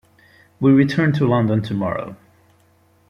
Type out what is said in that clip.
We return to London tomorrow.